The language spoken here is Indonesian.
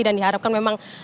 dan diharapkan memang